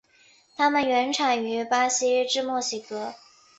它们原产于巴西至墨西哥。